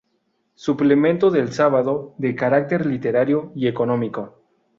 Suplemento del sábado", de carácter literario y económico.